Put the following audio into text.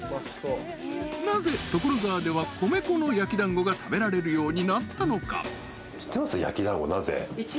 ［なぜ所沢では米粉の焼き団子が食べられるようになったのか？］